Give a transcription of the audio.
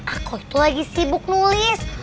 aku itu lagi sibuk nulis